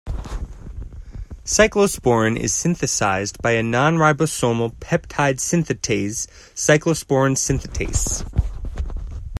Cyclosporin is synthesized by a nonribosomal peptide synthetase, cyclosporin synthetase.